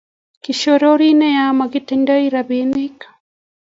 Kishororo nea mokitindoi rabinik